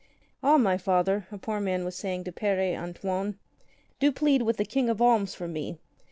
"Ah, my Father,'' a poor man was saying to Pere An toine, "do plead with the King of Alms for me.